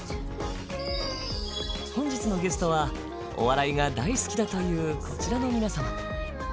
本日のゲストはお笑いが大好きだというこちらの皆さん。